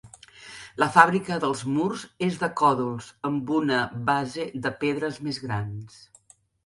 La fàbrica dels murs és de còdols amb una base de pedres més grans.